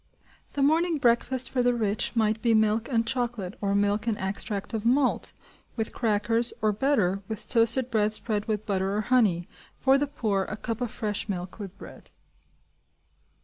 The morning breakfast for the rich might be milk and chocolate, or milk and extract of malt, with crackers, or, better, with toasted bread spread with butter or honey; for the poor, a cup of fresh milk, with bread.